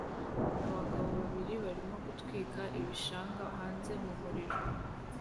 Abagabo babiri barimo gutwika ibishanga hanze mumuriro